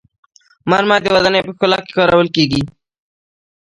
مرمر د ودانیو په ښکلا کې کارول کیږي.